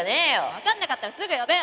わかんなかったらすぐ呼べよ！